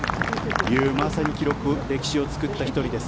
まさに記録、歴史を作った１人です。